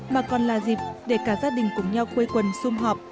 mà còn là dịp để cả gia đình cùng nhau quây quần xung họp